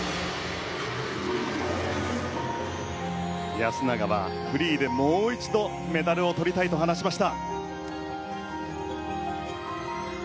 安永はフリーでもう一度メダルをとりたいと話しました。